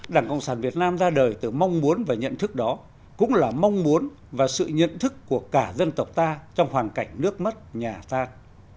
đảng cộng sản việt nam ra đời từ mong muốn và nhận thức đó cũng là mong muốn và sự nhận thức của cả dân tộc ta trong hoàn cảnh nước mất nhà tan